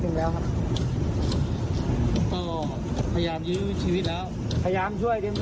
นั่งกลับมาจากห้อง